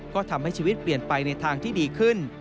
ก็ทำให้ชีวิตเปลี่ยนไปในทางที่ดีขึ้น